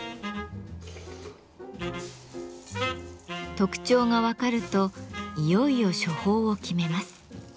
特徴が分かるといよいよ処方を決めます。